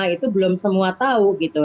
itu belum semua tahu gitu